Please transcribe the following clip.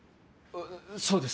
そうです。